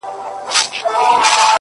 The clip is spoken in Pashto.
ستا د واده شپې ته شراب پيدا کوم څيښم يې!